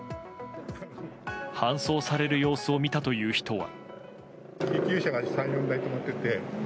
搬送される様子を見たという人は。